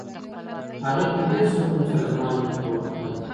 هغې په ډېر سکون سره زما لوري ته وکتل.